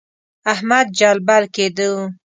احمد جلبل کېدو.